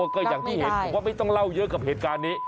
ก็อย่างที่เห็นผมว่าไม่ต้องเล่าเยอะกับเหตุการณ์นี้